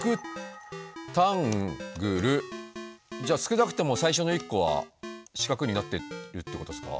じゃあ少なくても最初の１個は四角になってるってことっすか？